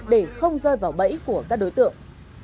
để không rơi vào bẫy của các đối tượng